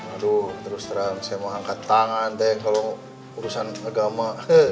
aduh terus terang saya mau angkat tangan deh kalau urusan agama